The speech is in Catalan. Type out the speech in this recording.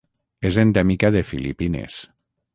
És endèmica de Filipines.